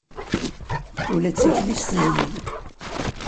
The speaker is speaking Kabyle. Ula d tikli-s tezleg.